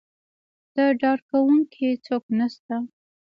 د ډاډکوونکي څوک نه شته.